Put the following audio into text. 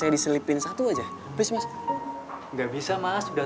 eh sua nyaotype yang back